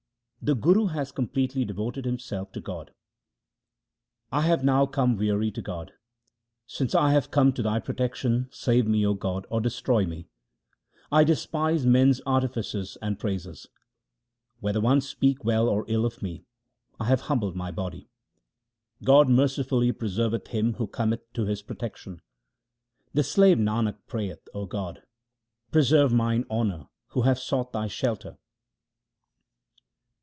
The Guru has completely devoted himself to God :— I have now come weary to God : Since I have come to Thy protection, save me, O God, or destroy me. I despise 1 men's artifices and praises. Whether one speak well or ill of me, I have humbled my body. God mercifully preserveth him who cometh to His pro tection. The slave Nanak prayeth, O God, preserve mine honour who have sought Thy shelter